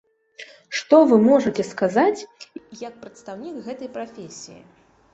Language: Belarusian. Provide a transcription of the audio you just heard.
Што вы можаце сказаць як прадстаўнік гэтай прафесіі?